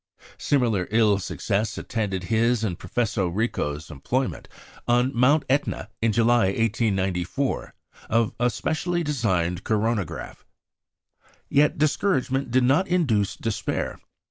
Similar ill success attended his and Professor Riccò's employment, on Mount Etna in July, 1894, of a specially designed coronagraph. Yet discouragement did not induce despair.